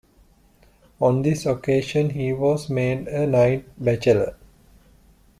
On this occasion he was made a Knight Bachelor.